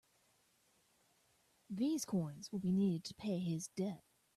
These coins will be needed to pay his debt.